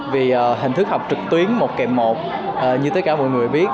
vì hình thức học trực tuyến một kèm một như tất cả mọi người biết